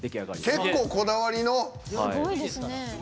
結構、こだわりの。